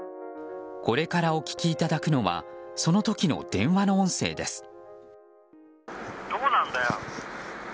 これからお聞きいただくのはその時の電話の音声です。